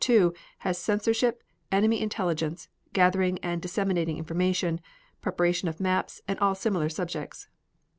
2 has censorship, enemy intelligence, gathering and disseminating information, preparation of maps, and all similar subjects; G.